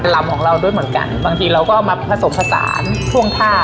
ลำของเราด้วยเหมือนกันบางทีเราก็เอามาผสมผสานท่วงท่า